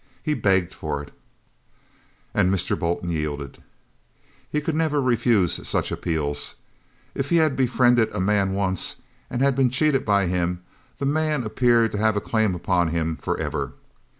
He begged for it. And Mr. Bolton yielded. He could never refuse such appeals. If he had befriended a man once and been cheated by him, that man appeared to have a claim upon him forever.